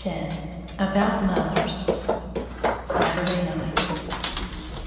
X ABOUT MOTHERS _Saturday Night.